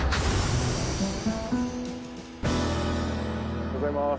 おはようございます。